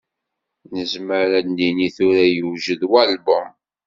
Nezmer ad d-nini, tura, yewjed walbum.